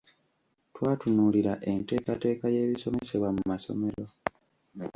Twatunuulira enteekateeka y’ebisomesebwa mu masomero.